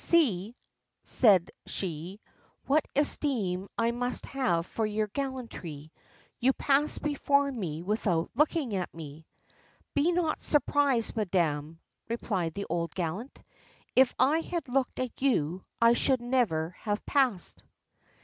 "See," said she, "what esteem I must have for your gallantry: you pass before me without looking at me." "Be not surprised, Madam," replied the old gallant; "if I had looked at you I should never have passed."